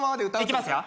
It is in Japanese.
いきますよ。